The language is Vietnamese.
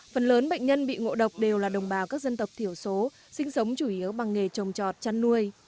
phần lớn bệnh nhân bị ngộ độc đều là đồng bào các dân tộc thiểu số sinh sống chủ yếu bằng nghề trồng trọt chăn nuôi